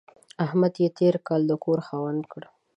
احمد يې تېر کال د کور خاوند کړ.